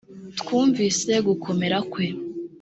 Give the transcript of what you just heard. twumvise gukomera kwe